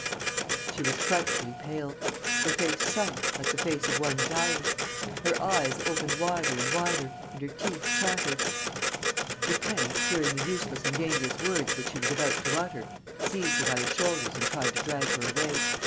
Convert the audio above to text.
She was frightfully pale, her face sunk, like the face of one dying. Her eyes opened wider and wider and her teeth chattered.... Lupin, fearing the useless and dangerous words which she was about to utter, seized her by the shoulders and tried to drag her away.